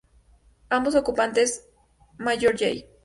Ambos ocupantes, Mayor Jay.